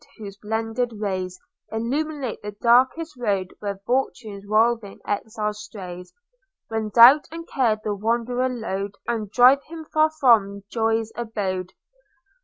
whose blended rays Illuminate the darkest road Where fortune's roving exile strays, When doubt and care the wanderer load, And drive him far from joy's abode.